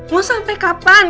mau sampe kapan